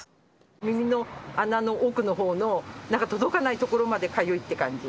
耳の穴の奥のほうの、なんか届かない所までかゆいって感じ。